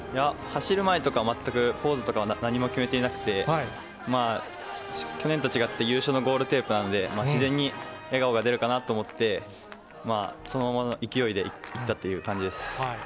走る前とかは全くポーズとかは何も決めていなくて、去年と違って優勝のゴールテープなので、自然に笑顔が出るかなと思って、そのままの勢いでいったという感じです。